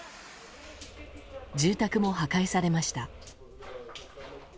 住宅も破壊されました。